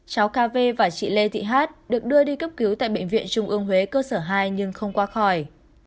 cháu kv và chị lê thị hát được đưa đi cấp cứu tại bệnh viện trung ương huế cơ sở hai nhưng không qua khỏi